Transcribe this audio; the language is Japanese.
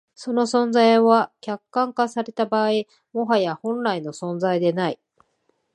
その存在は、客観化された場合、もはや本来の存在でない。